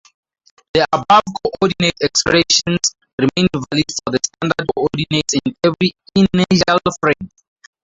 The above coordinate expressions remain valid for the standard coordinates in every inertial frame.